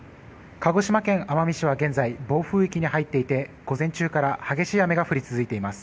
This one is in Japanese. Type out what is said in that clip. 鹿児島県奄美市は現在暴風域に入っていて午前中から激しい雨が降り続いています。